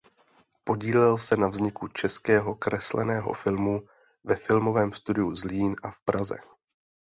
Podílel se na vzniku českého kresleného filmu ve filmovém studiu Zlín a v Praze.